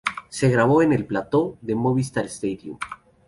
Se grabó en el plató de Movistar Stadium.